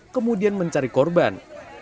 kemudian mencari korban